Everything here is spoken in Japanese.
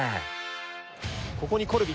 ここにコルビ！